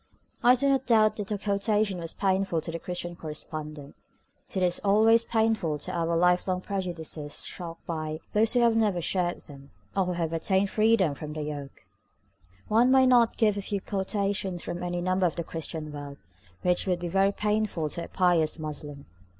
I do not doubt that the quotation was painful to the Christian correspondent, since it is always painful to have our lifelong prejudices shocked by those who have never shared them, or who have attained freedom from their yoke. One might give not a few quotations from any number of the Christian World which would be very painful to a pious Muslim.